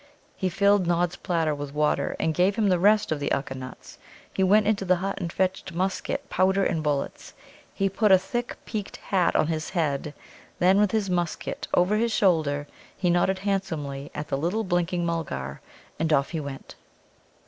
He filled Nod's platter with water, and gave him the rest of the Ukka nuts. He went into the hut and fetched musket, powder, and bullets. He put a thick peaked hat on his head, then, with his musket over his shoulder, he nodded handsomely at the little blinking Mulgar, and off he went.